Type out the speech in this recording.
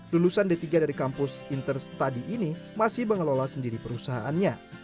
lulusan d tiga dari kampus inter study ini masih mengelola sendiri perusahaannya